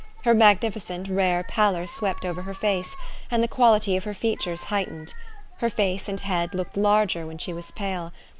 Her magnificent, rare pallor swept over her face, and the quality of her features heightened. Her face and head looked larger when she was pale.